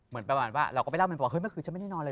เหมือนประมาณว่าเราก็ไปเล่ามันบอกว่าเฮเมื่อคืนฉันไม่ได้นอนเลย